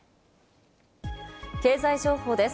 経済情報です。